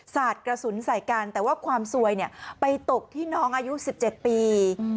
สาดกระสุนใส่กันแต่ว่าความซวยไปตกที่น้องอายุ๑๗ปี